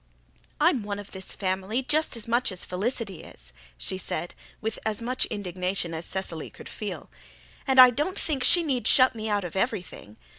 "I'm one of this family just as much as Felicity is," she said, with as much indignation as Cecily could feel, "and I don't think she need shut me out of everything.